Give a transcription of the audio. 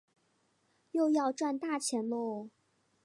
又要赚大钱啰